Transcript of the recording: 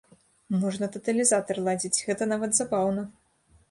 Можна таталізатар ладзіць, гэта нават забаўна.